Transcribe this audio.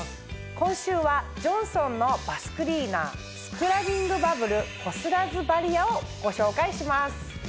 今週はジョンソンのバスクリーナー「スクラビングバブルこすらずバリア」をご紹介します。